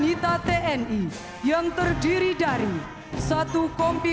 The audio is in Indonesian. di bawah pimpinan mayor arhanud irfan nurdin